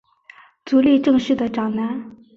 足利政氏的长男。